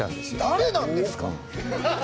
誰なんですか！？